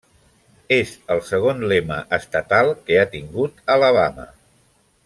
És el segon lema estatal que ha tingut Alabama.